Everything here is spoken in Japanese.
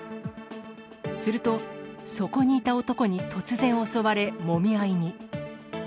すると、そこにいた男に突然襲われ、もみ合いに。